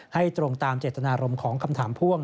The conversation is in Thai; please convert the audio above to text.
ให้ตรงตามเจตนารมณ์ของคำถามพ่วง